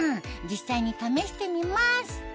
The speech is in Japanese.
実際に試してみます